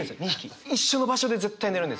一緒の場所で絶対寝るんですね。